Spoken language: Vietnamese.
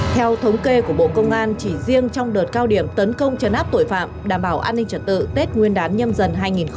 theo thống kê của bộ công an chỉ riêng trong đợt cao điểm tấn công chấn áp tội phạm đảm bảo an ninh trật tự tết nguyên đán nhâm dần hai nghìn hai mươi bốn